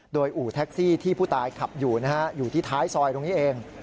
โดยอู่แท็กซี่ที่ผู้ตายขับอยู่นะฮะอยู่ที่ท้ายซอยตรงนี้เอง